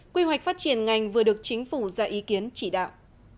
quy hoạch phát triển ngành vừa được chính phủ ra ý kiến chỉ đạo